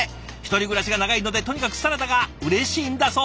１人暮らしが長いのでとにかくサラダがうれしいんだそう。